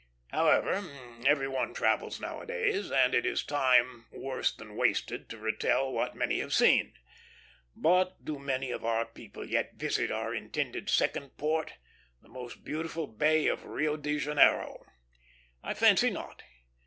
However, every one travels nowadays, and it is time worse than wasted to retell what many have seen. But do many of our people yet visit our intended second port, that most beautiful bay of Rio de Janeiro? I fancy not.